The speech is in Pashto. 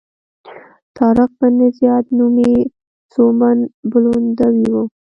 طارق بن زیاد نومي سوبمن بولندوی و.